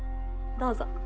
どうぞ。